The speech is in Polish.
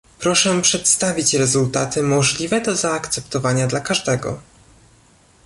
proszę przedstawić rezultaty możliwe do zaakceptowania dla każdego